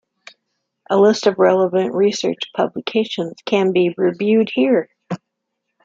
A list of relevant research publications can be viewed here.